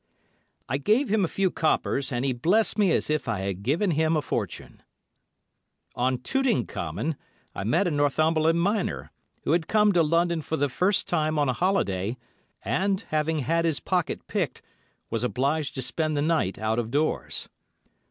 I gave him a few coppers, and he blessed me as if I had given him a fortune. On Tooting Common I met a Northumberland miner, who had come to London for the first time on a holiday, and, having had his pocket picked, was obliged to spend the night out of doors.